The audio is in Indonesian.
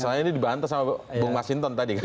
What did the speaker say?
soalnya ini dibantah sama bu mas hinton tadi kan